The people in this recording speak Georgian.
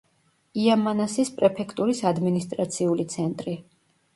იამანასის პრეფექტურის ადმინისტრაციული ცენტრი.